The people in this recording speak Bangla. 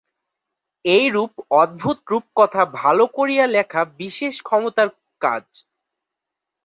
এইরূপ অদ্ভুত রূপকথা ভাল করিয়া লেখা বিশেষ ক্ষমতার কাজ।